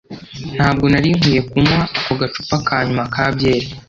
ntabwo nari nkwiye kunywa ako gacupa ka nyuma ka byeri